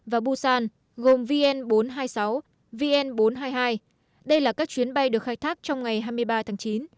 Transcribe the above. và busan gồm vn bốn trăm hai mươi sáu vn bốn trăm hai mươi hai đây là các chuyến bay được khai thác trong ngày hai mươi ba tháng chín